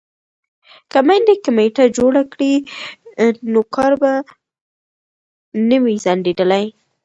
که میندې کمیټه جوړه کړي نو کار به نه وي ځنډیدلی.